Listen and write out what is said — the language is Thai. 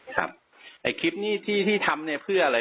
ครับคลิปนี้ที่ทำเพื่ออะไร